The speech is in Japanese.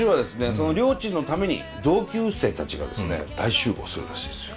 そのりょーちんのために同級生たちがですね大集合するらしいですよ。